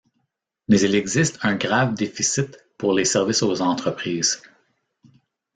Mais il existe un grave déficit pour les services aux entreprises.